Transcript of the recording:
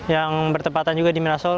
yang bertempatan juga di minasel